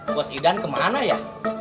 bos idan kemana ya